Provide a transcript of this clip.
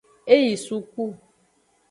E yi suku.